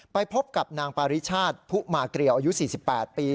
ไปพบกับนางปาริชาติผู้มาเกลียวอายุ๔๘ปี